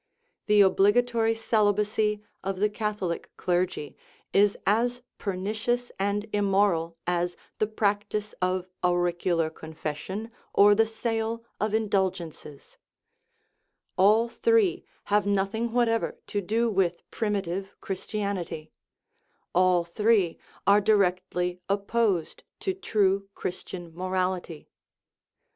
The obligatory celibacy of the Catholic clergy is as pernicious and immoral as the practice of auricular confession or the sale of indulgences. All three have nothing what 359 THE RIDDLE OF THE UNIVERSE ever to do with primitive Christianity. All three are directly opposed to true Christian morality.